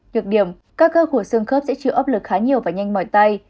nhược điểm các cơ của sương khớp sẽ chịu áp lực khá nhiều và nhanh mỏi tay